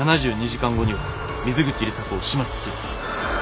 「７２時間後には水口里紗子を始末する」。